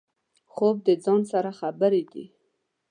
خوب د ځان سره خبرې دي